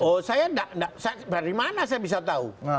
oh saya dari mana saya bisa tahu